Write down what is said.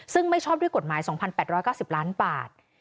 ซึ่งไม่ชอบด้วยกฎหมาย๒๘๙๐ล้านบาท